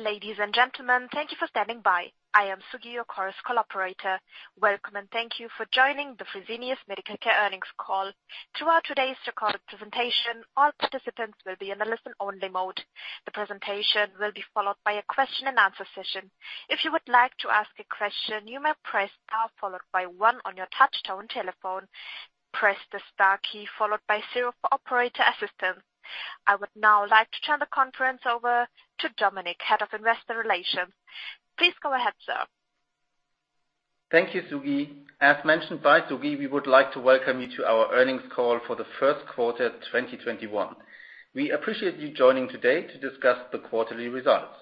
Ladies and gentlemen, thank you for standing by. I am Sugi, your Chorus call operator. Welcome, thank you for joining the Fresenius Medical Care earnings call. Throughout today's recorded presentation, all participants will be in a listen-only mode. The presentation will be followed by a question-and-answer session. If you would like to ask a question, you may press star followed by one on your touch-tone telephone. Press the star key followed by zero for operator assistance. I would now like to turn the conference over to Dominik Heger, Head of Investor Relations. Please go ahead, sir. Thank you, Sugi. As mentioned by Sugi, we would like to welcome you to our earnings call for the Q1 of 2021. We appreciate you joining today to discuss the quarterly results.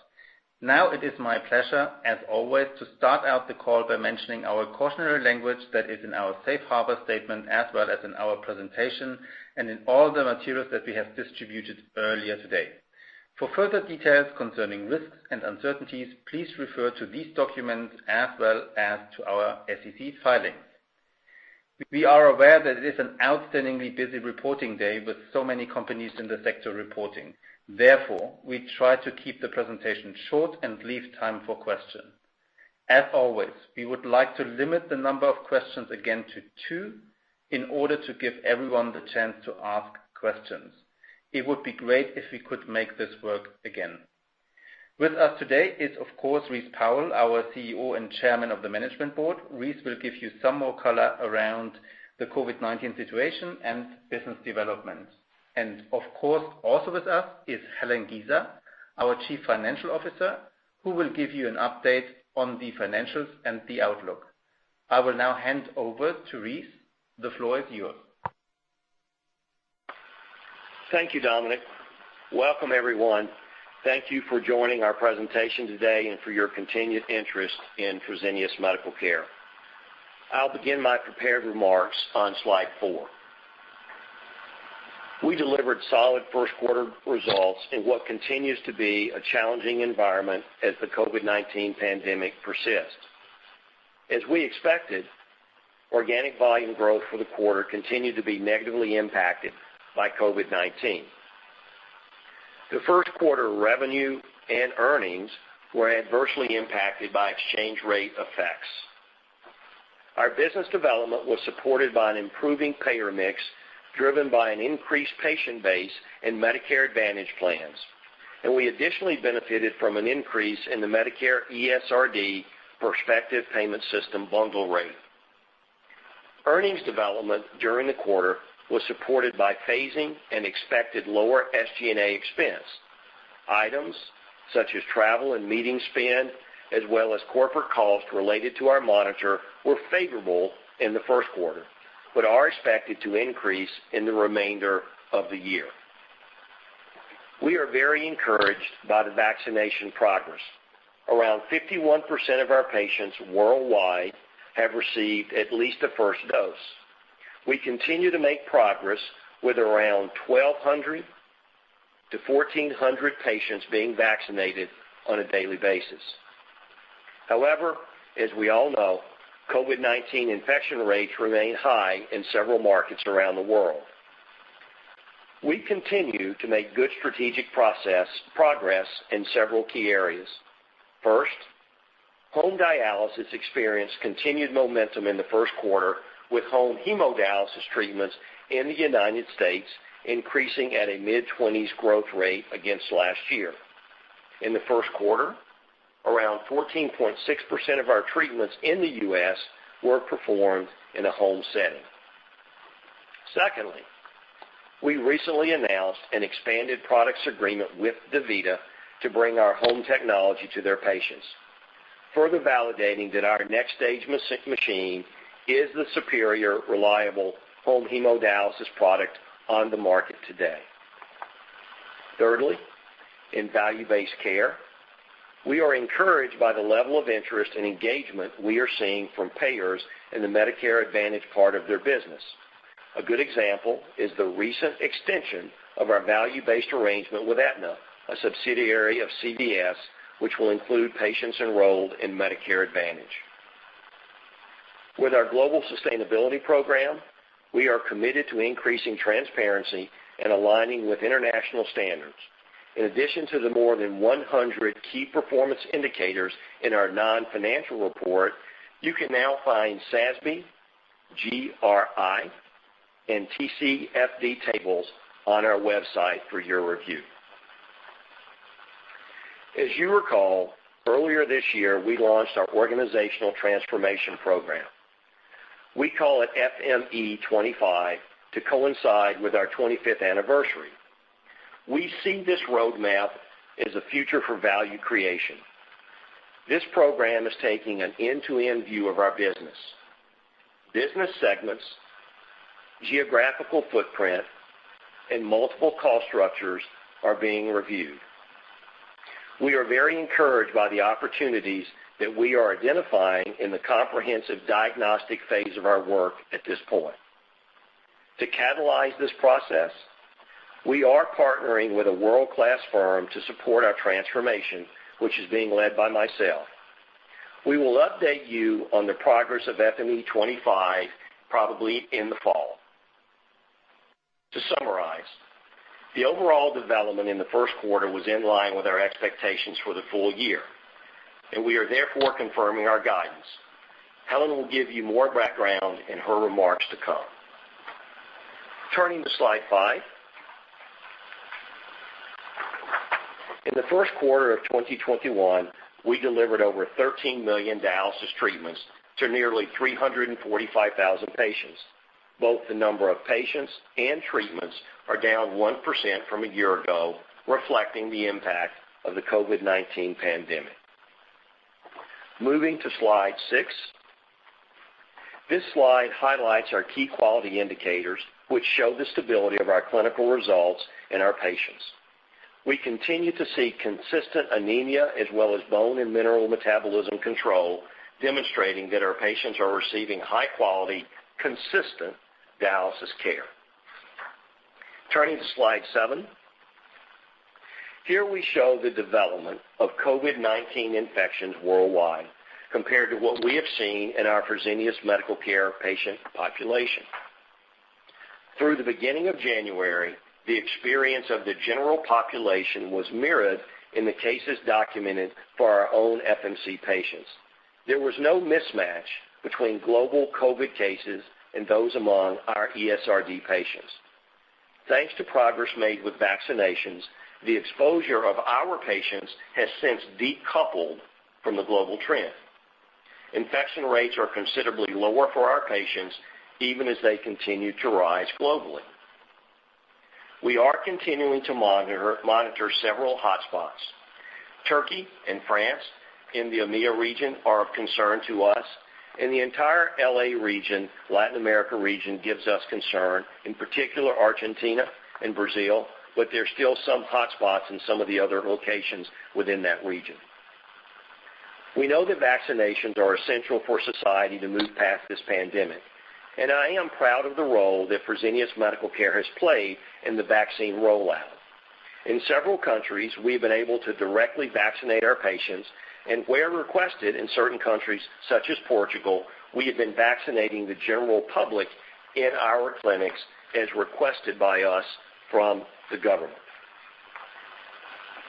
It is my pleasure, as always, to start out the call by mentioning our cautionary language that is in our safe harbor statement as well as in our presentation and in all the materials that we have distributed earlier today. For further details concerning risks and uncertainties, please refer to these documents as well as to our SEC filings. We are aware that it is an outstandingly busy reporting day with so many companies in the sector reporting. We try to keep the presentation short and leave time for questions. As always, we would like to limit the number of questions again to two in order to give everyone the chance to ask questions. It would be great if we could make this work again. With us today is, of course, Rice Powell, our CEO and Chairman of the Management Board. Rice will give you some more color around the COVID-19 situation and business development. Of course, also with us is Helen Giza, our Chief Financial Officer, who will give you an update on the financials and the outlook. I will now hand over to Rice. The floor is yours. Thank you, Dominik. Welcome, everyone. Thank you for joining our presentation today and for your continued interest in Fresenius Medical Care. I'll begin my prepared remarks on slide four. We delivered solid Q1 results in what continues to be a challenging environment as the COVID-19 pandemic persists. As we expected, organic volume growth for the quarter continued to be negatively impacted by COVID-19. The Q1 revenue and earnings were adversely impacted by exchange rate effects. Our business development was supported by an improving payer mix driven by an increased patient base in Medicare Advantage plans, and we additionally benefited from an increase in the Medicare ESRD prospective payment system bundle rate. Earnings development during the quarter was supported by phasing and expected lower SG&A expense. Items such as travel and meeting spend, as well as corporate costs related to our monitor, were favorable in the Q1 but are expected to increase in the remainder of the year. We are very encouraged by the vaccination progress. Around 51% of our patients worldwide have received at least the first dose. We continue to make progress with around 1,200-1,400 patients being vaccinated on a daily basis. As we all know, COVID-19 infection rates remain high in several markets around the world. We continue to make good strategic progress in several key areas. First, home dialysis experienced continued momentum in the Q1 with home hemodialysis treatments in the United States. increasing at a mid-20s growth rate against last year. In the Q1, around 14.6% of our treatments in the U.S. were performed in a home setting. Secondly, we recently announced an expanded products agreement with DaVita to bring our home technology to their patients, further validating that our NxStage machine is the superior, reliable home hemodialysis product on the market today. Thirdly, in value-based care, we are encouraged by the level of interest and engagement we are seeing from payers in the Medicare Advantage part of their business. A good example is the recent extension of our value-based arrangement with Aetna, a subsidiary of CVS, which will include patients enrolled in Medicare Advantage. With our global sustainability program, we are committed to increasing transparency and aligning with international standards. In addition to the more than 100 key performance indicators in our non-financial report, you can now find SASB, GRI, and TCFD tables on our website for your review. As you recall, earlier this year, we launched our organizational transformation program. We call it FME25 to coincide with our 25th anniversary. We see this roadmap as a future for value creation. This program is taking an end-to-end view of our business. Business segments, geographical footprint, and multiple cost structures are being reviewed. We are very encouraged by the opportunities that we are identifying in the comprehensive diagnostic phase of our work at this point. To catalyze this process, we are partnering with a world-class firm to support our transformation, which is being led by myself. We will update you on the progress of FME25 probably in the fall. To summarize, the overall development in the Q1 was in line with our expectations for the full year, and we are therefore confirming our guidance. Helen will give you more background in her remarks to come. Turning to slide five. In the Q1 of 2021, we delivered over 13 million dialysis treatments to nearly 345,000 patients. Both the number of patients and treatments are down 1% from a year ago, reflecting the impact of the COVID-19 pandemic. Moving to slide six. This slide highlights our key quality indicators, which show the stability of our clinical results in our patients. We continue to see consistent anemia as well as bone and mineral metabolism control, demonstrating that our patients are receiving high-quality, consistent dialysis care. Turning to slide seven. Here we show the development of COVID-19 infections worldwide compared to what we have seen in our Fresenius Medical Care patient population. Through the beginning of January, the experience of the general population was mirrored in the cases documented for our own FMC patients. There was no mismatch between global COVID cases and those among our ESRD patients. Thanks to progress made with vaccinations, the exposure of our patients has since decoupled from the global trend. Infection rates are considerably lower for our patients, even as they continue to rise globally. We are continuing to monitor several hotspots. Turkey and France in the EMEA region are of concern to us, and the entire L.A. region, Latin America region, gives us concern, in particular, Argentina and Brazil, but there's still some hotspots in some of the other locations within that region. We know that vaccinations are essential for society to move past this pandemic, and I am proud of the role that Fresenius Medical Care has played in the vaccine rollout. In several countries, we've been able to directly vaccinate our patients, and where requested in certain countries, such as Portugal, we have been vaccinating the general public in our clinics as requested by us from the government.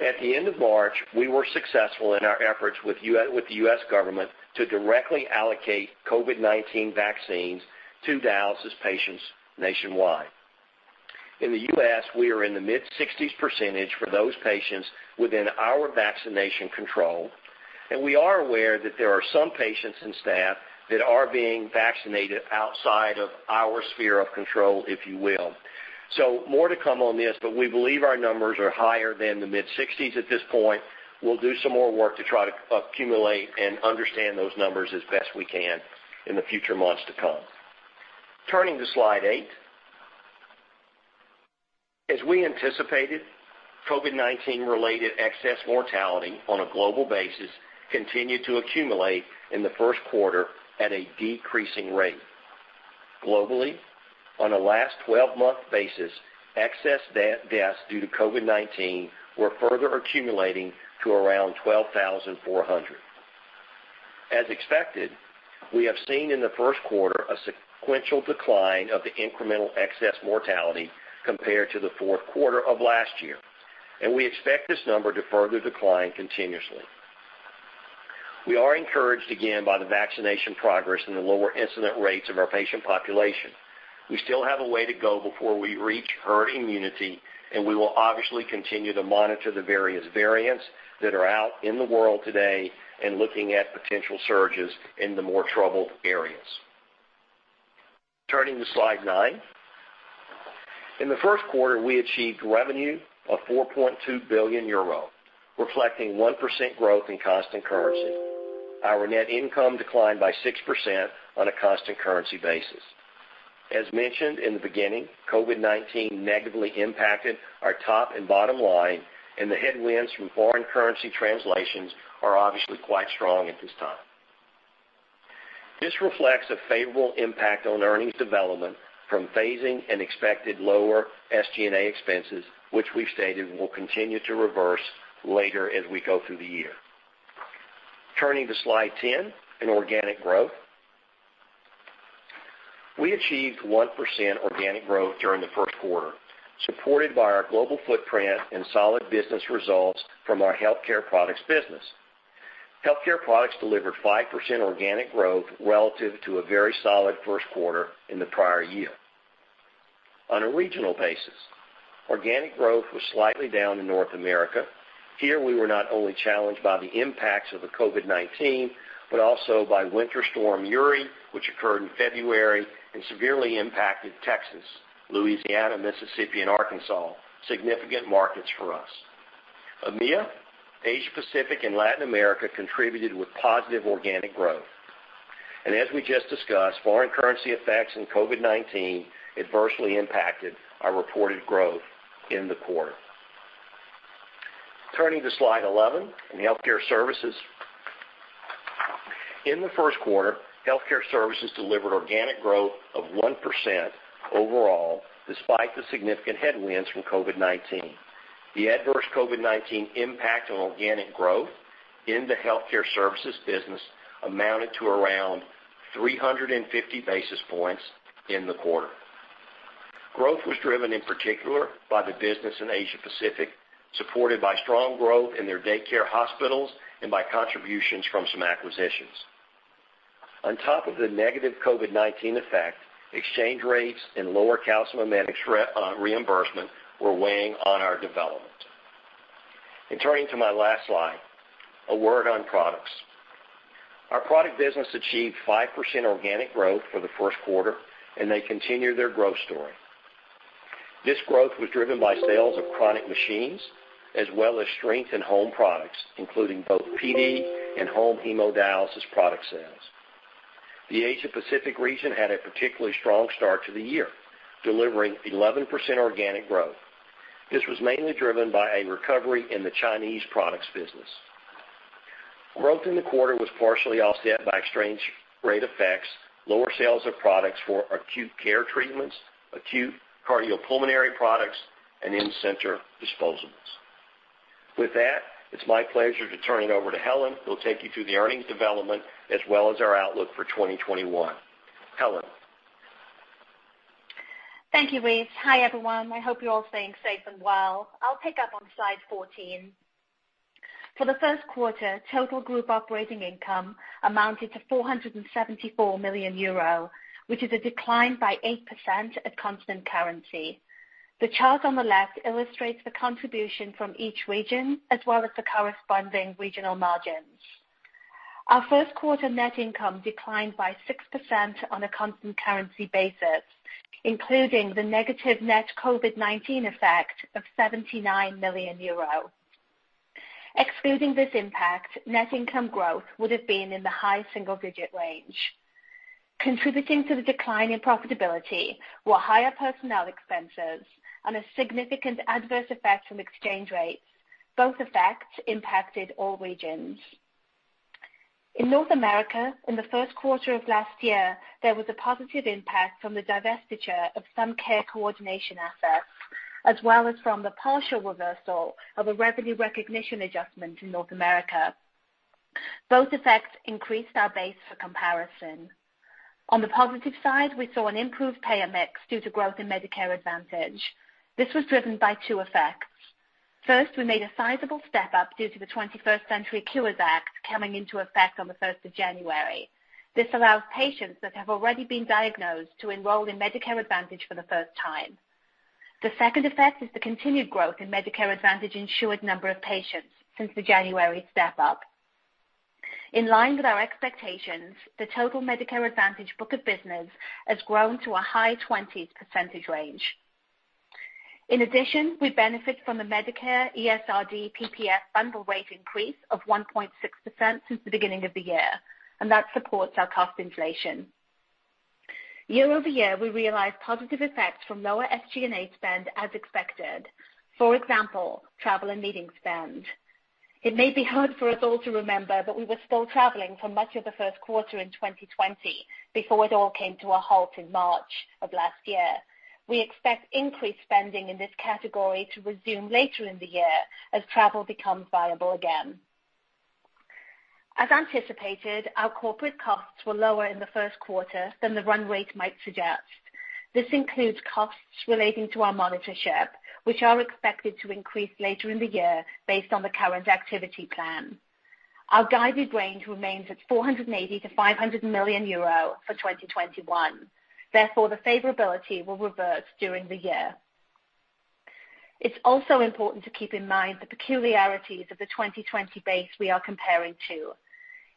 At the end of March, we were successful in our efforts with the U.S. government to directly allocate COVID-19 vaccines to dialysis patients nationwide. In the U.S., we are in the mid-60 percentage for those patients within our vaccination control, and we are aware that there are some patients and staff that are being vaccinated outside of our sphere of control, if you will. More to come on this, but we believe our numbers are higher than the mid-60s at this point. We'll do some more work to try to accumulate and understand those numbers as best we can in the future months to come. Turning to slide eight. As we anticipated, COVID-19-related excess mortality on a global basis continued to accumulate in the Q1 at a decreasing rate. Globally, on a last 12-month basis, excess deaths due to COVID-19 were further accumulating to around 12,400. As expected, we have seen in the Q1 a sequential decline of the incremental excess mortality compared to the Q4 of last year. We expect this number to further decline continuously. We are encouraged again by the vaccination progress and the lower incident rates of our patient population. We still have a way to go before we reach herd immunity, and we will obviously continue to monitor the various variants that are out in the world today and looking at potential surges in the more troubled areas. Turning to slide nine. In the Q1, we achieved revenue of 4.2 billion euro, reflecting 1% growth in constant currency. Our net income declined by 6% on a constant currency basis. As mentioned in the beginning, COVID-19 negatively impacted our top and bottom line, and the headwinds from foreign currency translations are obviously quite strong at this time. This reflects a favorable impact on earnings development from phasing and expected lower SG&A expenses, which we've stated will continue to reverse later as we go through the year. Turning to slide 10, in organic growth. We achieved 1% organic growth during the Q1, supported by our global footprint and solid business results from our Healthcare Products business. Healthcare Products delivered 5% organic growth relative to a very solid Q1 in the prior year. On a regional basis, organic growth was slightly down in North America. Here, we were not only challenged by the impacts of the COVID-19, but also by Winter Storm Uri, which occurred in February and severely impacted Texas, Louisiana, Mississippi, and Arkansas, significant markets for us. EMEA, Asia-Pacific, and Latin America contributed with positive organic growth. As we just discussed, foreign currency effects and COVID-19 adversely impacted our reported growth in the quarter. Turning to slide 11 in Healthcare Services. In the Q1, Healthcare Services delivered organic growth of 1% overall, despite the significant headwinds from COVID-19. The adverse COVID-19 impact on organic growth in the healthcare services business amounted to around 350 basis points in the quarter. Growth was driven in particular by the business in Asia Pacific, supported by strong growth in their daycare hospitals and by contributions from some acquisitions. On top of the negative COVID-19 effect, exchange rates and lower calcimimetics reimbursement were weighing on our development. Turning to my last slide, a word on products. Our product business achieved 5% organic growth for the Q1. They continue their growth story. This growth was driven by sales of chronic machines as well as strength in home products, including both PD and home hemodialysis product sales. The Asia Pacific region had a particularly strong start to the year, delivering 11% organic growth. This was mainly driven by a recovery in the Chinese products business. Growth in the quarter was partially offset by exchange rate effects, lower sales of products for acute care treatments, acute cardiopulmonary products, and in-center disposables. With that, it is my pleasure to turn it over to Helen, who will take you through the earnings development as well as our outlook for 2021. Helen. Thank you, Rice. Hi, everyone. I hope you're all staying safe and well. I'll pick up on slide 14. For the Q1, total group operating income amounted to 474 million euro, which is a decline by 8% at constant currency. The chart on the left illustrates the contribution from each region as well as the corresponding regional margins. Our Q1 net income declined by 6% on a constant currency basis, including the negative net COVID-19 effect of 79 million euro. Excluding this impact, net income growth would've been in the high single-digit range. Contributing to the decline in profitability were higher personnel expenses and a significant adverse effect from exchange rates. Both effects impacted all regions. In North America, in the Q1 of last year, there was a positive impact from the divestiture of some Care Coordination assets, as well as from the partial reversal of a revenue recognition adjustment in North America. Both effects increased our base for comparison. On the positive side, we saw an improved payer mix due to growth in Medicare Advantage. This was driven by two effects. First, we made a sizable step-up due to the 21st Century Cures Act coming into effect on the 1st of January. This allows patients that have already been diagnosed to enroll in Medicare Advantage for the first time. The second effect is the continued growth in Medicare Advantage insured number of patients since the January step-up. In line with our expectations, the total Medicare Advantage book of business has grown to a high 20s percentage range. In addition, we benefit from the Medicare ESRD PPS bundle rate increase of 1.6% since the beginning of the year. That supports our cost inflation. Year-over-year, we realized positive effects from lower SG&A spend as expected. For example, travel and meeting spend. It may be hard for us all to remember, we were still traveling for much of the Q1 in 2020 before it all came to a halt in March of last year. We expect increased spending in this category to resume later in the year as travel becomes viable again. As anticipated, our corporate costs were lower in the Q1 than the run rate might suggest. This includes costs relating to our monitorship, which are expected to increase later in the year based on the current activity plan. Our guided range remains at 480 million-500 million euro for 2021. The favorability will reverse during the year. It's also important to keep in mind the peculiarities of the 2020 base we are comparing to.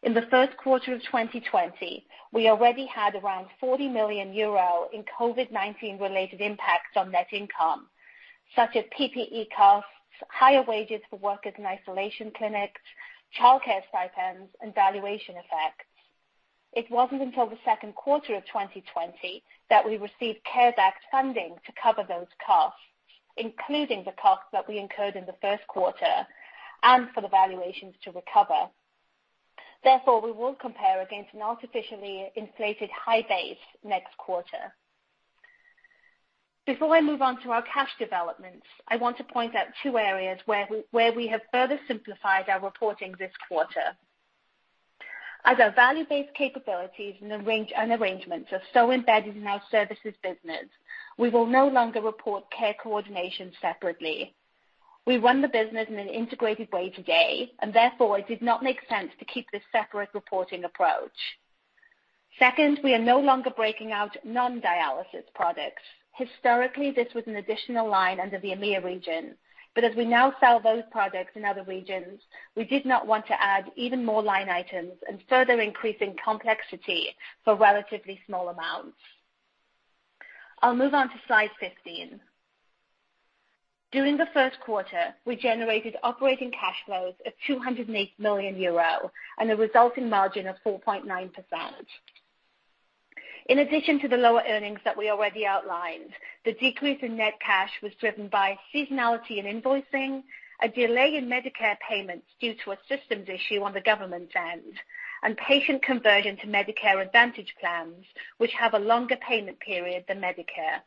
In the Q1 of 2020, we already had around 40 million euro in COVID-19 related impacts on net income, such as PPE costs, higher wages for workers in isolation clinics, childcare stipends, and valuation effects. It wasn't until the Q2 of 2020 that we received CARES Act funding to cover those costs, including the costs that we incurred in the Q1, and for the valuations to recover. We will compare against an artificially inflated high base next quarter. Before I move on to our cash developments, I want to point out two areas where we have further simplified our reporting this quarter. As our value-based capabilities and arrangements are so embedded in our services business, we will no longer report care coordination separately. Therefore, it did not make sense to keep this separate reporting approach. Second, we are no longer breaking out non-dialysis products. Historically, this was an additional line under the EMEA region. As we now sell those products in other regions, we did not want to add even more line items and further increase in complexity for relatively small amounts. I will move on to slide 15. During the Q1, we generated operating cash flows of 208 million euro and a resulting margin of 4.9%. In addition to the lower earnings that we already outlined, the decrease in net cash was driven by seasonality in invoicing. A delay in Medicare payments due to a systems issue on the government end, and patient conversion to Medicare Advantage plans, which have a longer payment period than Medicare.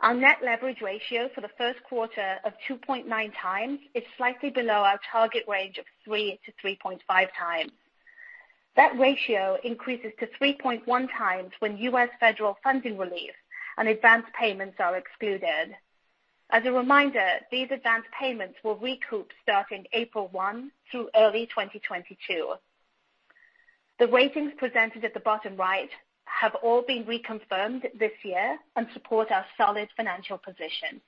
Our net leverage ratio for the Q1 of 2.9x is slightly below our target range of 3x to 3.5x. That ratio increases to 3.1x when U.S. federal funding relief and advanced payments are excluded. As a reminder, these advanced payments will recoup starting April 1 through early 2022. The ratings presented at the bottom right have all been reconfirmed this year and support our solid financial position.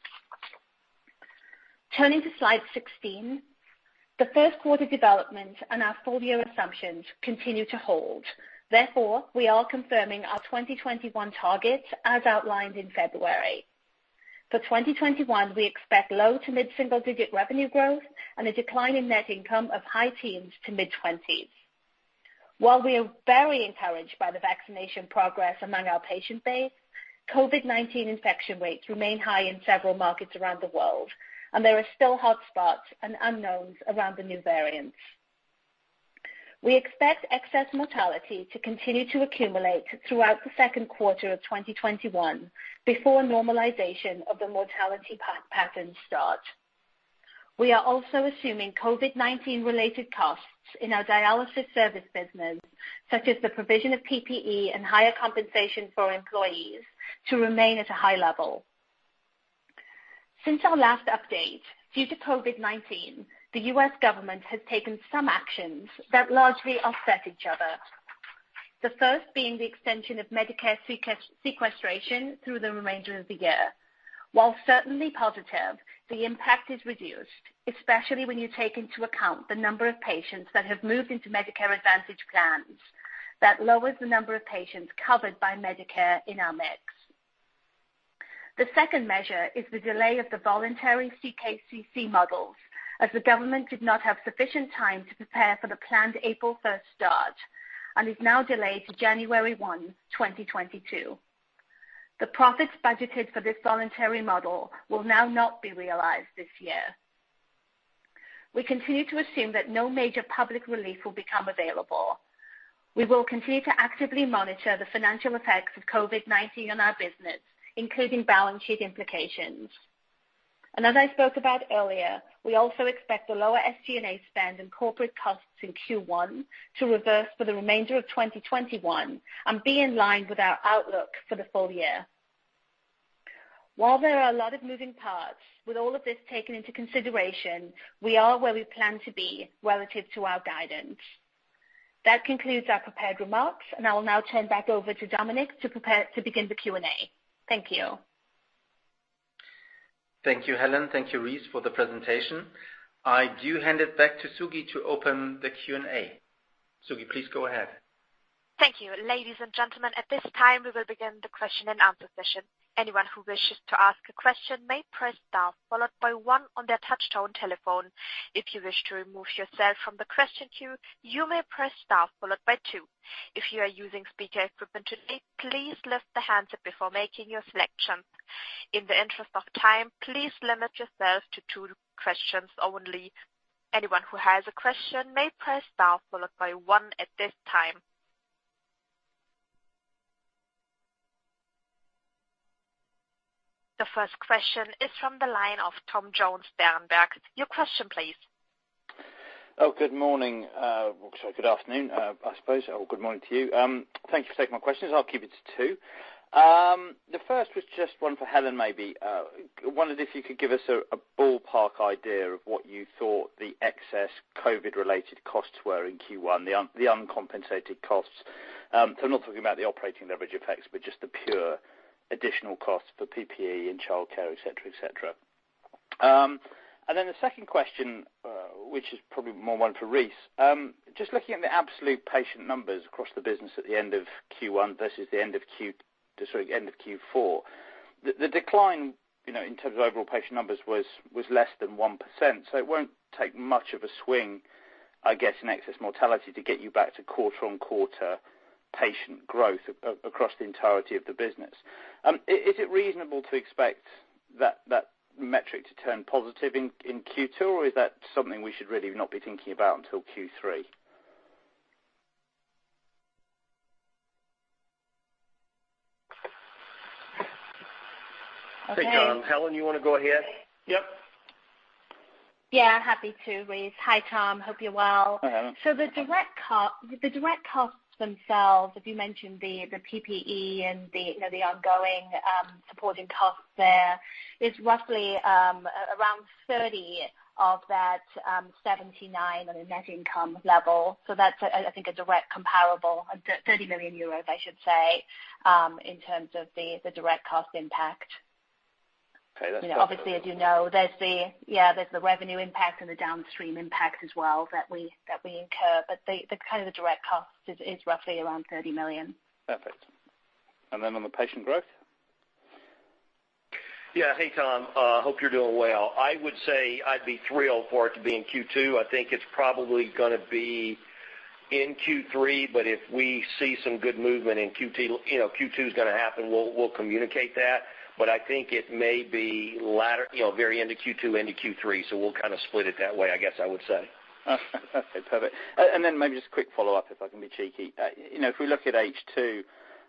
Turning to slide 16, the first quarter development and our full-year assumptions continue to hold. Therefore, we are confirming our 2021 targets as outlined in February. For 2021, we expect low to mid-single digit revenue growth and a decline in net income of high teens to mid-20s. While we are very encouraged by the vaccination progress among our patient base, COVID-19 infection rates remain high in several markets around the world, and there are still hotspots and unknowns around the new variants. We expect excess mortality to continue to accumulate throughout the Q2 of 2021 before normalization of the mortality path pattern starts. We are also assuming COVID-19-related costs in our dialysis service business, such as the provision of PPE and higher compensation for employees, to remain at a high level. Since our last update, due to COVID-19, the U.S. government has taken some actions that largely offset each other. The first being the extension of Medicare sequestration through the remainder of the year. While certainly positive, the impact is reduced, especially when you take into account the number of patients that have moved into Medicare Advantage plans. That lowers the number of patients covered by Medicare in our mix. The second measure is the delay of the voluntary CKCC models, as the government did not have sufficient time to prepare for the planned April 1st start and is now delayed to January 1, 2022. The profits budgeted for this voluntary model will now not be realized this year. We continue to assume that no major public relief will become available. We will continue to actively monitor the financial effects of COVID-19 on our business, including balance sheet implications. As I spoke about earlier, we also expect a lower SG&A spend and corporate costs in Q1 to reverse for the remainder of 2021 and be in line with our outlook for the full year. While there are a lot of moving parts, with all of this taken into consideration, we are where we plan to be relative to our guidance. That concludes our prepared remarks, and I will now turn back over to Dominik to begin the Q&A. Thank you. Thank you, Helen. Thank you, Rice, for the presentation. I do hand it back to Sugi to open the Q&A. Sugi, please go ahead. Thank you. Ladies and gentlemen, at this time, we will begin the question and answer session. Anyone who wishes to ask a question may press star followed by one on their touch-tone telephone. If you wish to remove yourself from the question queue, you may press star followed by two. If you are using speaker equipment today, please lift the handset before making your selections. In the interest of time, please limit yourself to two questions only. Anyone who has a question may press star followed by one at this time. The first question is from the line of Tom Jones, Berenberg. Your question, please. Good morning. Well, sorry, good afternoon, I suppose, or good morning to you. Thank you for taking my questions. I'll keep it to two. The first was just one for Helen, maybe. I wondered if you could give us a ballpark idea of what you thought the excess COVID-related costs were in Q1, the uncompensated costs. I'm not talking about the operating leverage effects, but just the pure additional costs for PPE and childcare, et cetera. The second question, which is probably more one for Rice. Just looking at the absolute patient numbers across the business at the end of Q1 versus the end of Q4. The decline in terms of overall patient numbers was less than 1%. It won't take much of a swing, I guess, in excess mortality to get you back to quarter-on-quarter patient growth across the entirety of the business. Is it reasonable to expect that metric to turn positive in Q2, or is that something we should really not be thinking about until Q3? Okay. Hey, Tom. Helen, you want to go ahead? Yep. Yeah, happy to, Rice. Hi, Tom. Hope you're well. Hi, Helen. The direct costs themselves, if you mentioned the PPE and the ongoing supporting costs there, is roughly around 30 of that 79 on a net income level. That's, I think, a direct comparable, 30 million euros I should say, in terms of the direct cost impact. Okay, that's helpful. Obviously, as you know, there's the revenue impact and the downstream impact as well that we incur, but the direct cost is roughly around 30 million. Perfect. On the patient growth? Yeah. Hey, Tom. Hope you're doing well. I would say I'd be thrilled for it to be in Q2. I think it's probably going to be in Q3, but if we see some good movement in Q2 is going to happen. We'll communicate that. I think it may be very end of Q2 into Q3, so we'll split it that way, I guess I would say. Okay, perfect. Maybe just a quick follow-up, if I can be cheeky. If we look at H2,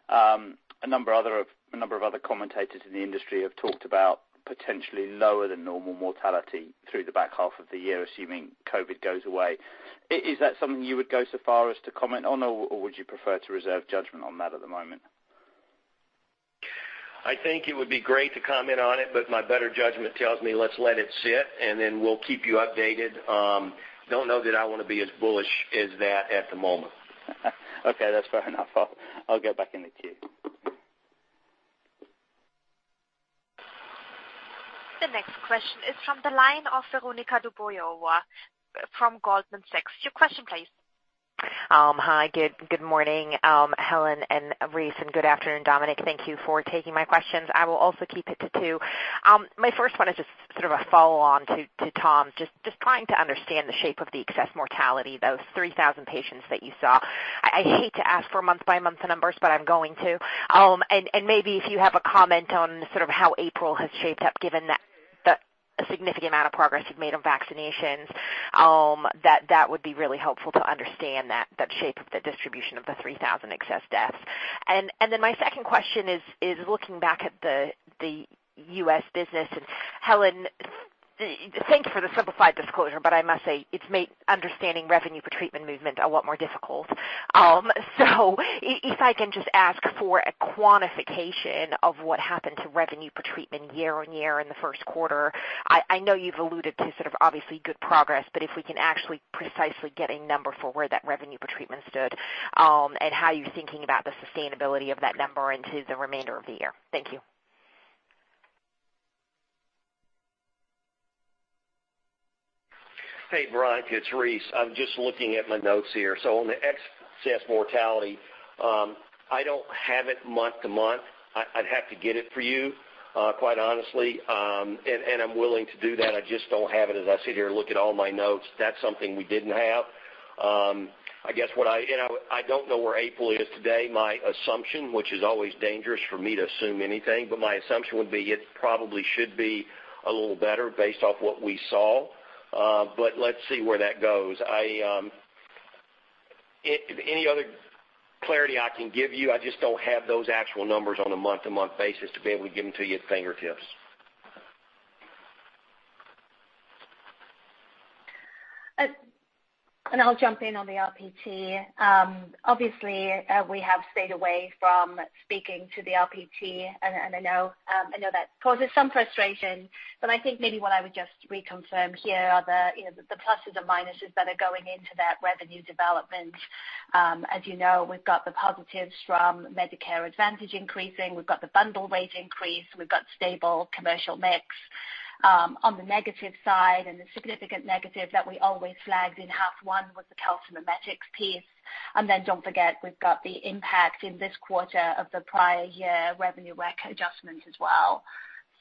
a number of other commentators in the industry have talked about potentially lower than normal mortality through the back half of the year, assuming COVID goes away. Is that something you would go so far as to comment on, or would you prefer to reserve judgment on that at the moment? I think it would be great to comment on it, but my better judgment tells me let's let it sit, and then we'll keep you updated. Don't know that I want to be as bullish as that at the moment. Okay, that's fair enough. I'll get back in the queue. The next question is from the line of Veronika Dubajova from Goldman Sachs. Your question, please. Hi, good morning, Helen and Rice, and good afternoon, Dominik. Thank you for taking my questions. I will also keep it to two. My first one is just sort of a follow-on to Tom, just trying to understand the shape of the excess mortality, those 3,000 patients that you saw. I hate to ask for month-by-month numbers, but I'm going to. Maybe if you have a comment on sort of how April has shaped up, given the significant amount of progress you've made on vaccinations, that would be really helpful to understand that shape of the distribution of the 3,000 excess deaths. Then my second question is looking back at the U.S. business, and Helen, thank you for the simplified disclosure, but I must say it's made understanding revenue per treatment movement a lot more difficult. If I can just ask for a quantification of what happened to revenue per treatment year-on-year in the Q1. I know you've alluded to sort of obviously good progress, but if we can actually precisely get a number for where that revenue per treatment stood, and how you're thinking about the sustainability of that number into the remainder of the year. Thank you. Hey, Veronika, it's Rice. I'm just looking at my notes here. On the excess mortality, I don't have it month to month. I'd have to get it for you, quite honestly. I'm willing to do that. I just don't have it as I sit here and look at all my notes. That's something we didn't have. I don't know where April is today. My assumption, which is always dangerous for me to assume anything, but my assumption would be it probably should be a little better based off what we saw. Let's see where that goes. Any other clarity I can give you, I just don't have those actual numbers on a month-to-month basis to be able to give them to you at fingertips. I'll jump in on the RPT. Obviously, we have stayed away from speaking to the RPT, and I know that causes some frustration. I think maybe what I would just reconfirm here are the pluses or minuses that are going into that revenue development. As you know, we've got the positives from Medicare Advantage increasing. We've got the bundle rate increase. We've got stable commercial mix. On the negative side, and the significant negative that we always flagged in half one was the calcimimetics piece. Don't forget, we've got the impact in this quarter of the prior year revenue recognition adjustment as well.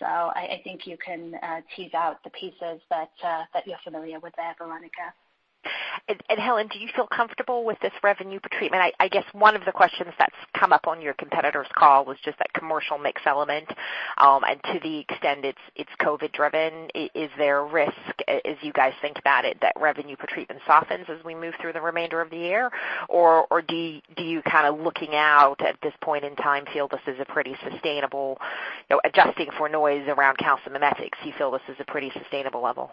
I think you can tease out the pieces that you're familiar with there, Veronika. Helen, do you feel comfortable with this revenue per treatment? I guess one of the questions that's come up on your competitor's call was just that commercial mix element. To the extent it's COVID-19 driven, is there a risk as you guys think about it, that revenue per treatment softens as we move through the remainder of the year? Or do you kind of looking out at this point in time feel this is a pretty sustainable, adjusting for noise around calcimimetics, you feel this is a pretty sustainable level?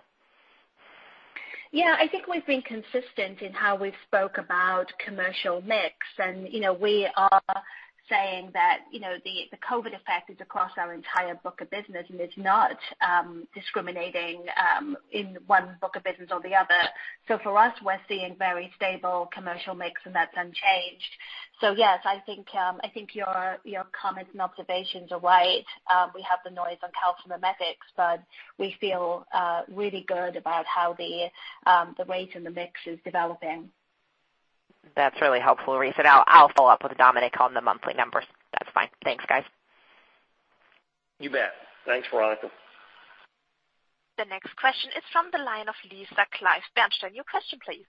Yeah, I think we've been consistent in how we've spoke about commercial mix, and we are saying that the COVID effect is across our entire book of business and is not discriminating in one book of business or the other. For us, we're seeing very stable commercial mix, and that's unchanged. Yes, I think your comments and observations are right. We have the noise on calcimimetics, but we feel really good about how the rate and the mix is developing. That's really helpful, Rice. I'll follow up with Dominik on the monthly numbers. That's fine. Thanks, guys. You bet. Thanks, Veronika. The next question is from the line of Lisa Clive, Bernstein. Your question, please.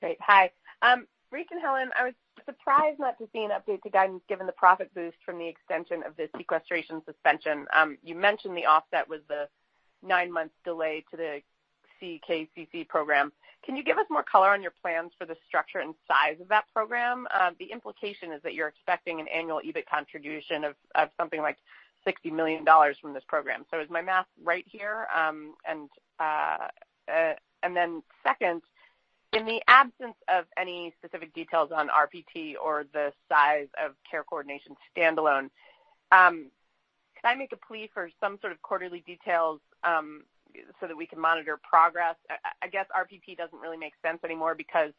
Great. Hi. Rice and Helen, I was surprised not to see an update to guidance given the profit boost from the extension of the sequestration suspension. You mentioned the offset was the nine-month delay to the CKCC program. Can you give us more color on your plans for the structure and size of that program? The implication is that you're expecting an annual EBIT contribution of something like $60 million from this program. Is my math right here? Second, in the absence of any specific details on RPT or the size of care coordination standalone, can I make a plea for some sort of quarterly details so that we can monitor progress? I guess RPT doesn't really make sense anymore because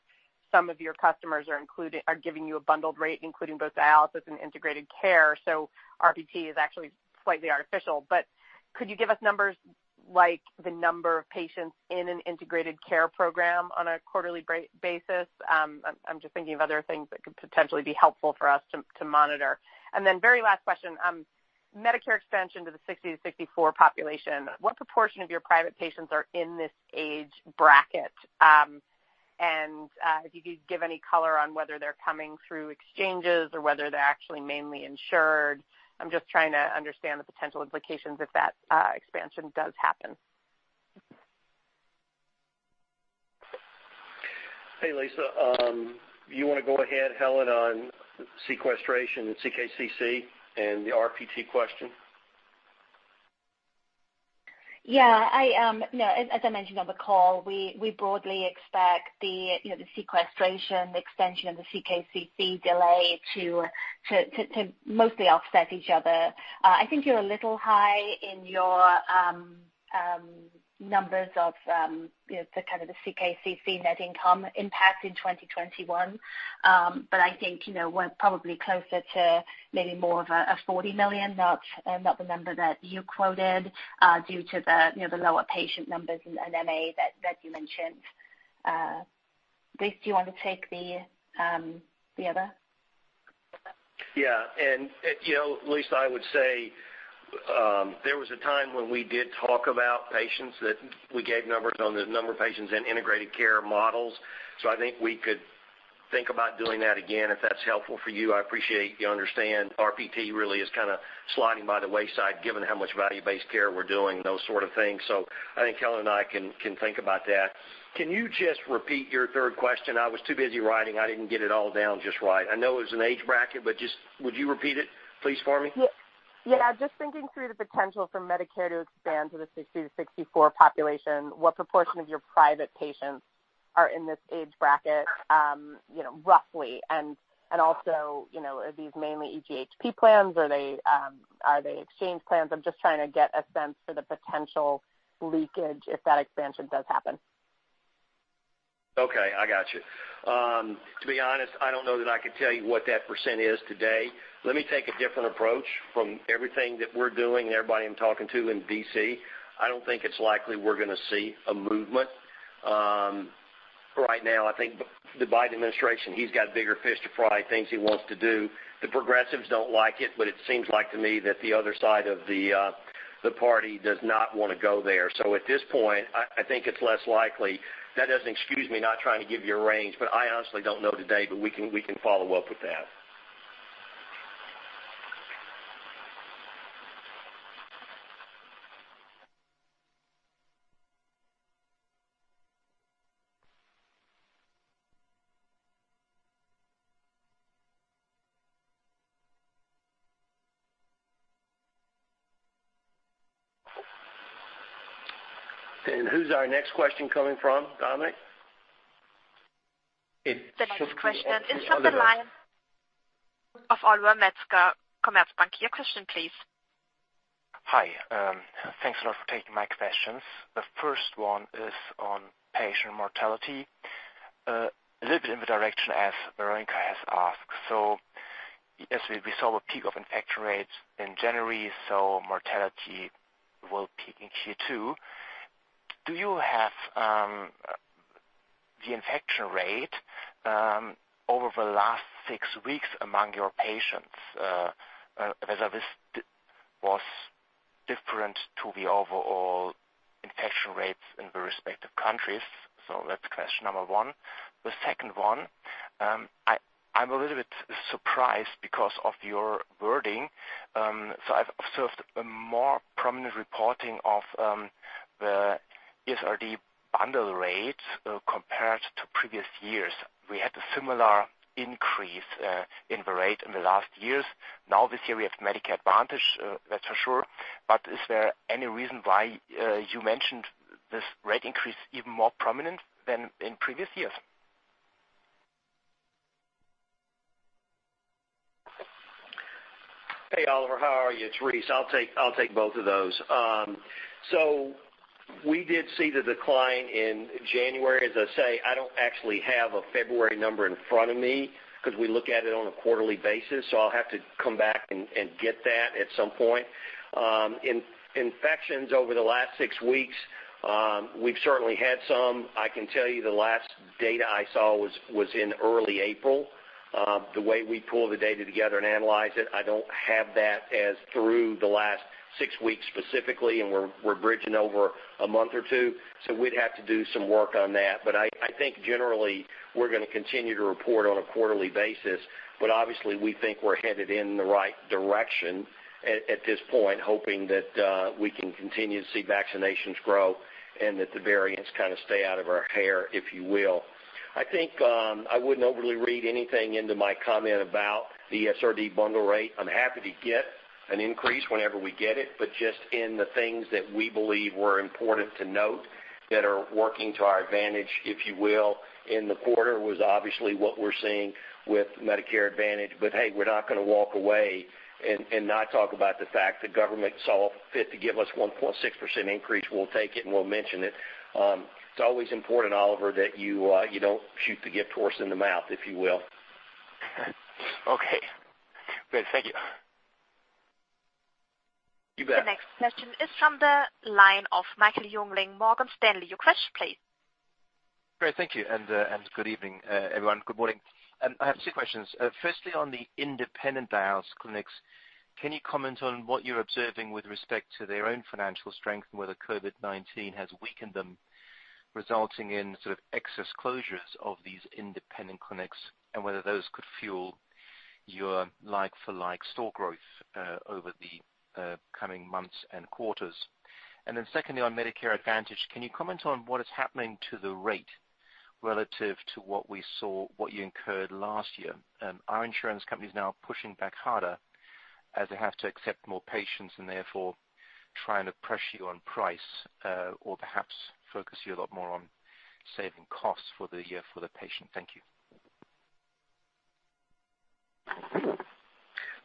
some of your customers are giving you a bundled rate, including both dialysis and integrated care. RPT is actually slightly artificial. Could you give us numbers like the number of patients in an integrated care program on a quarterly basis? I'm just thinking of other things that could potentially be helpful for us to monitorship. Then very last question Medicare expansion to the 60-64 population? What proportion of your private patients are in this age bracket? If you could give any color on whether they're coming through exchanges or whether they're actually mainly insured? I'm just trying to understand the potential implications if that expansion does happen. Hey, Lisa. You want to go ahead, Helen, on sequestration and CKCC and the RPT question? Yeah. As I mentioned on the call, we broadly expect the sequestration, the extension of the CKCC delay to mostly offset each other. I think you're a little high in your numbers of the kind of the CKCC net income impact in 2021. I think we're probably closer to maybe more of a $40 million, not the number that you quoted, due to the lower patient numbers in NMA that you mentioned. Rice, do you want to take the other? Yeah. Lisa, I would say, there was a time when we did talk about patients, that we gave numbers on the number of patients in integrated care models. I think we could think about doing that again, if that's helpful for you. I appreciate you understand RPT really is kind of sliding by the wayside given how much value-based care we're doing, those sort of things. I think Helen and I can think about that. Can you just repeat your third question? I was too busy writing. I didn't get it all down just right. I know it was an age bracket, just would you repeat it, please, for me? Yeah. Just thinking through the potential for Medicare to expand to the 60-64 population, what proportion of your private patients are in this age bracket, roughly? Also, are these mainly EGHP plans? Are they exchange plans? I'm just trying to get a sense for the potential leakage if that expansion does happen. Okay. I got you. To be honest, I don't know that I could tell you what that percent is today. Let me take a different approach. From everything that we're doing and everybody I'm talking to in D.C., I don't think it's likely we're going to see a movement. Right now, I think the Biden administration, he's got bigger fish to fry, things he wants to do. The progressives don't like it. It seems like to me that the other side of the party does not want to go there. At this point, I think it's less likely. That doesn't excuse me not trying to give you a range. I honestly don't know today. We can follow up with that. Who's our next question coming from, Dominik? The next question is on the line of Oliver Metzger, Commerzbank. Your question, please. Hi. Thanks a lot for taking my questions. The first one is on patient mortality. A little bit in the direction, as Veronika has asked. As we saw the peak of infection rates in January, so mortality will peak in Q2. Do you have the infection rate over the last six weeks among your patients? Whether this was different to the overall infection rates in the respective countries? That's question number one. The second one, I'm a little bit surprised because of your wording. I've observed a more prominent reporting of the ESRD bundle rates compared to previous years. We had a similar increase in the rate in the last years. Now this year we have Medicare Advantage, that's for sure. Is there any reason why you mentioned this rate increase even more prominent than in previous years? Hey, Oliver. How are you? It's Rice. I'll take both of those. We did see the decline in January. As I say, I don't actually have a February number in front of me because we look at it on a quarterly basis, I'll have to come back and get that at some point. In infections over the last six weeks, we've certainly had some. I can tell you the last data I saw was in early April. The way we pull the data together and analyze it, I don't have that as through the last six weeks specifically, we're bridging over a month or two, we'd have to do some work on that. I think generally we're going to continue to report on a quarterly basis. Obviously we think we're headed in the right direction at this point, hoping that we can continue to see vaccinations grow and that the variants kind of stay out of our hair, if you will. I think I wouldn't overly read anything into my comment about the ESRD bundle rate. I'm happy to get an increase whenever we get it, just in the things that we believe were important to note that are working to our advantage, if you will, in the quarter was obviously what we're seeing with Medicare Advantage. Hey, we're not going to walk away and not talk about the fact the government saw fit to give us 1.6% increase. We'll take it and we'll mention it. It's always important, Oliver, that you don't shoot the gift horse in the mouth, if you will. Okay. Great. Thank you. You bet. The next question is from the line of Michael Jüngling, Morgan Stanley. Your question, please. Great. Thank you, good evening, everyone. Good morning. I have two questions. Firstly, on the independent dialysis clinics, can you comment on what you're observing with respect to their own financial strength and whether COVID-19 has weakened them, resulting in sort of excess closures of these independent clinics, and whether those could fuel your like-for-like store growth over the coming months and quarters? Secondly, on Medicare Advantage, can you comment on what is happening to the rate relative to what we saw, what you incurred last year? Are insurance companies now pushing back harder as they have to accept more patients and therefore trying to pressure you on price, or perhaps focus you a lot more on saving costs for the year for the patient? Thank you.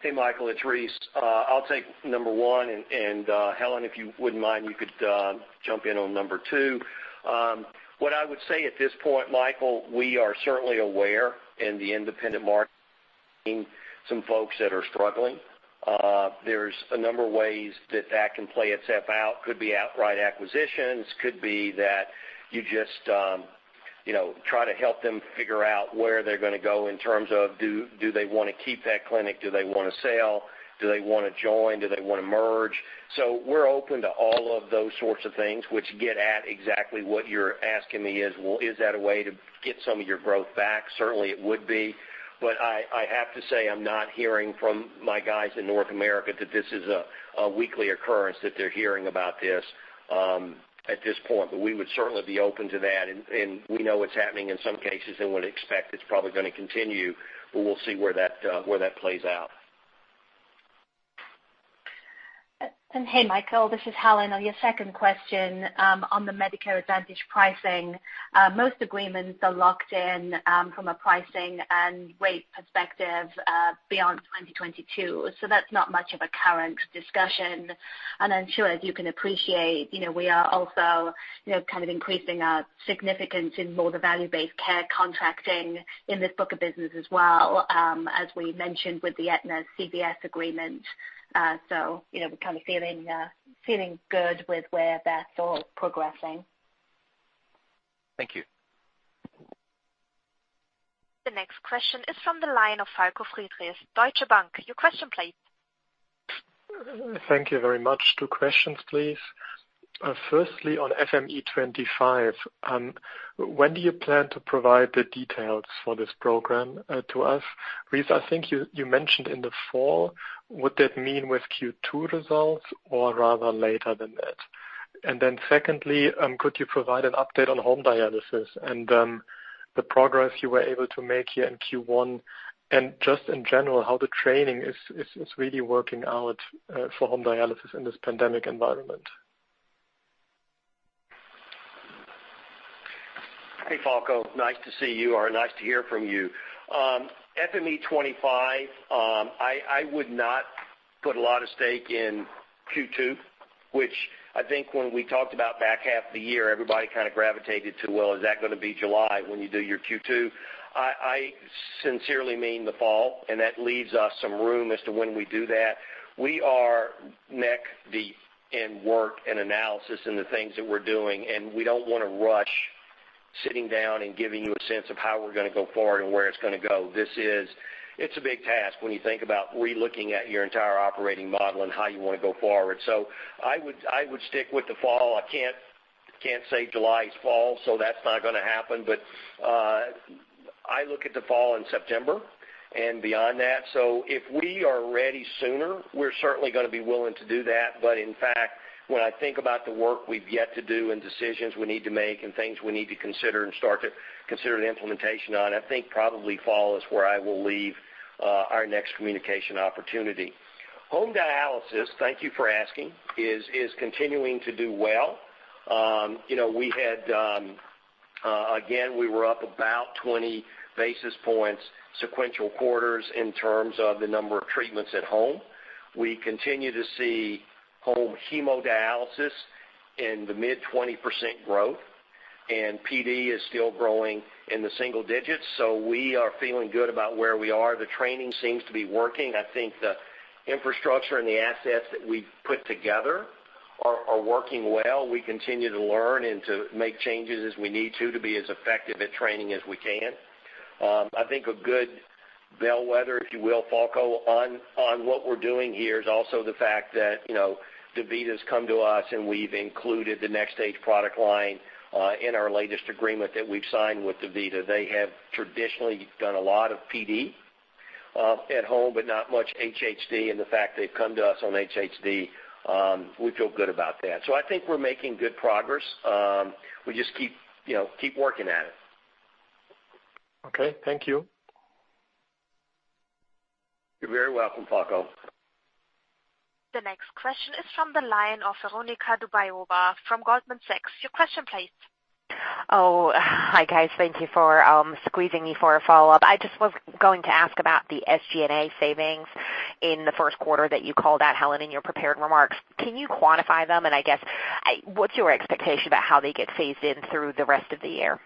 Hey, Michael, it's Rice. I'll take number one, and Helen, if you wouldn't mind, you could jump in on number two. What I would say at this point, Michael, we are certainly aware in the independent market, some folks that are struggling. There's a number of ways that that can play itself out. Could be outright acquisitions, could be that you just try to help them figure out where they're going to go in terms of do they want to keep that clinic? Do they want to sell? Do they want to join? Do they want to merge? We're open to all of those sorts of things which get at exactly what you're asking me is, well, is that a way to get some of your growth back? Certainly, it would be. I have to say, I'm not hearing from my guys in North America that this is a weekly occurrence that they're hearing about this at this point. We would certainly be open to that, and we know it's happening in some cases and would expect it's probably going to continue. We'll see where that plays out. Hey, Michael. This is Helen. On your second question, on the Medicare Advantage pricing, most agreements are locked in from a pricing and rate perspective beyond 2022. That's not much of a current discussion. I'm sure as you can appreciate, we are also kind of increasing our significance in more the value-based care contracting in this book of business as well, as we mentioned with the Aetna CVS agreement. We're kind of feeling good with where that's all progressing. Thank you. The next question is from the line of Falko Friedrichs, Deutsche Bank. Your question, please. Thank you very much. Two questions, please. Firstly, on FME25, when do you plan to provide the details for this program to us? Rice, I think you mentioned in the fall. Would that mean with Q2 results or rather later than that? Secondly, could you provide an update on home dialysis and the progress you were able to make here in Q1 and just in general, how the training is really working out for home dialysis in this pandemic environment? Hey, Falko. Nice to see you or nice to hear from you. FME25, I would not put a lot of stake in Q2, which I think when we talked about back half of the year, everybody kind of gravitated to, well, is that going to be July when you do your Q2? I sincerely mean the fall, and that leaves us some room as to when we do that. We are neck-deep in work and analysis in the things that we're doing, and we don't want to rush sitting down and giving you a sense of how we're going to go forward and where it's going to go. It's a big task when you think about re-looking at your entire operating model and how you want to go forward. I would stick with the fall. I can't say July is fall, so that's not going to happen. I look at the fall in September and beyond that. If we are ready sooner, we're certainly going to be willing to do that. In fact, when I think about the work we've yet to do and decisions we need to make and things we need to consider and start to consider the implementation on, I think probably fall is where I will leave our next communication opportunity. Home dialysis, thank you for asking, is continuing to do well. Again, we were up about 20 basis points sequential quarters in terms of the number of treatments at home. We continue to see home hemodialysis in the mid-20% growth, and PD is still growing in the single digits. We are feeling good about where we are. The training seems to be working. I think the infrastructure and the assets that we've put together are working well. We continue to learn and to make changes as we need to be as effective at training as we can. I think a good bellwether, if you will, Falko, on what we're doing here is also the fact that DaVita's come to us, and we've included the NxStage product line in our latest agreement that we've signed with DaVita. They have traditionally done a lot of PD at home, but not much HHD. The fact they've come to us on HHD, we feel good about that. I think we're making good progress. We just keep working at it. Okay. Thank you. You're very welcome, Falko. The next question is from the line of Veronika Dubajova from Goldman Sachs. Your question, please. Oh, hi, guys. Thank you for squeezing me for a follow-up. I just was going to ask about the SG&A savings in the Q1 that you called out, Helen, in your prepared remarks. Can you quantify them? I guess, what's your expectation about how they get phased in through the rest of the year?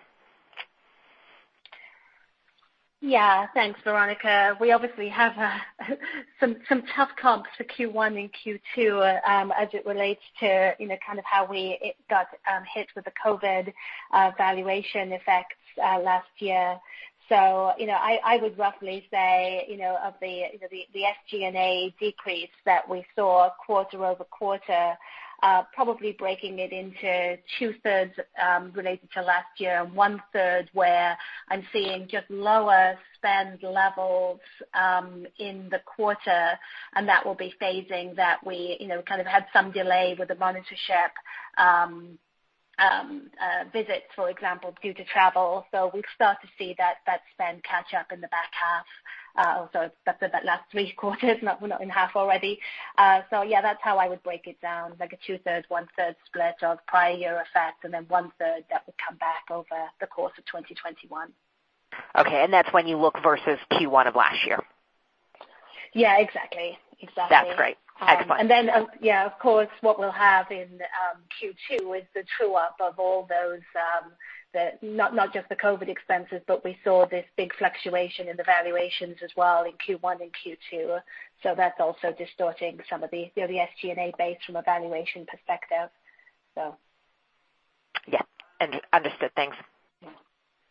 Thanks, Veronika. We obviously have some tough comps for Q1 and Q2 as it relates to how we got hit with the COVID valuation effects last year. I would roughly say, of the SG&A decrease that we saw quarter-over-quarter, probably breaking it into two-thirds related to last year and one-third where I am seeing just lower spend levels in the quarter, and that will be phasing that we kind of had some delay with the monitorship visits, for example, due to travel. We start to see that spend catch up in the back half. Also, that is over that last three quarters, not in half already. That is how I would break it down, like a two-thirds, one-third split of prior year effect, and then one-third that would come back over the course of 2021. Okay, that's when you look versus Q1 of last year? Yeah, exactly. That's great. Excellent. Of course, what we'll have in Q2 is the true-up of all those, not just the COVID expenses, but we saw this big fluctuation in the valuations as well in Q1 and Q2. That's also distorting some of the SG&A base from a valuation perspective. Yeah. Understood. Thanks.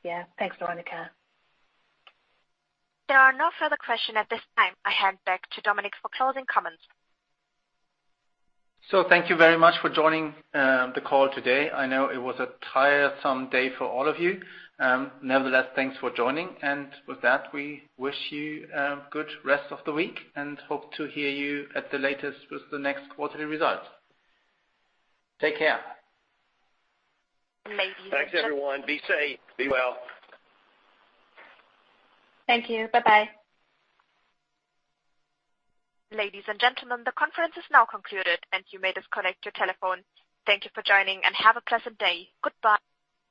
Yeah. Thanks, Veronika. There are no further question at this time. I hand back to Dominik for closing comments. Thank you very much for joining the call today. I know it was a tiresome day for all of you. Nevertheless, thanks for joining, and with that, we wish you a good rest of the week, and hope to hear you at the latest with the next quarterly result. Take care. Ladies and gentlemen. Thanks, everyone. Be safe. Be well. Thank you. Bye-bye. Ladies and gentlemen, the conference is now concluded, and you may disconnect your telephone. Thank you for joining, and have a pleasant day. Goodbye.